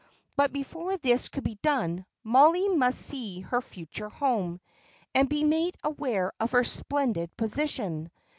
But before this could be done, Mollie must see her future home, and be made aware of her splendid position.